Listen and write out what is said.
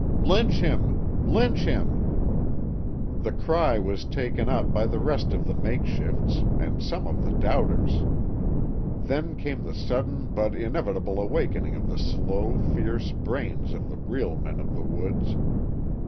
"Lynch him! Lynch him!" The cry was taken up by the rest of the makeshifts and some of the doubters. Then came the sudden but inevitable awakening of the slow, fierce brains of the real men of the woods.